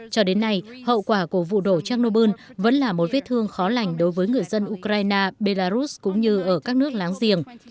cho đến nay hậu quả của vụ đổ chernobyl vẫn là một viết thương khó lành đối với người dân ukraine belarus cũng như ở các nước láng giềng